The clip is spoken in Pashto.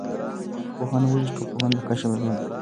پوهانو ویلي چې ټولنپوهنه د کشف علم دی.